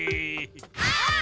あっ！